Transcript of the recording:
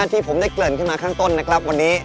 วันนี้ของเราที่ผมได้เกริ่นขึ้นมาข้างต้น